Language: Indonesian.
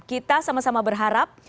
kita sama sama berharap